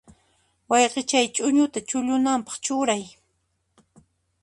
Wayqichay, ch'uñuta chullunanpaq churay.